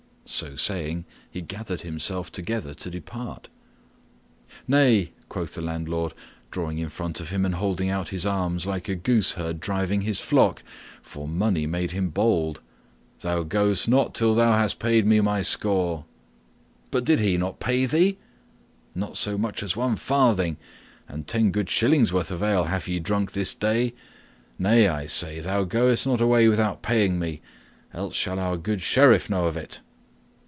So saying, he gathered himself together to depart. "Nay," quoth the landlord, standing in front of him and holding out his arms like a gooseherd driving his flock, for money made him bold, "thou goest not till thou hast paid me my score." "But did not he pay thee?" "Not so much as one farthing; and ten good shillings' worth of ale have ye drunk this day. Nay, I say, thou goest not away without paying me, else shall our good Sheriff know of it."